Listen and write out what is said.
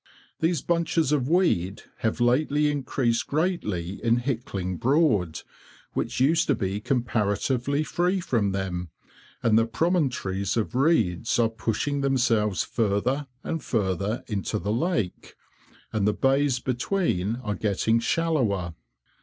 These bunches of weed have lately increased greatly in Hickling Broad, which used to be comparatively free from them, and the promontories of reeds are pushing themselves further and further into the lake, and the bays between are getting shallower.